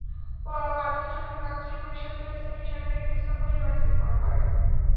পার্বত্য চট্টগ্রাম আঞ্চলিক পরিষদকেও স্থানীয় সরকারের একটি স্তর বলে অনেকে মনে করেন।